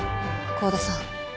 香田さん。